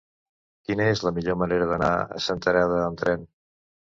Quina és la millor manera d'anar a Senterada amb tren?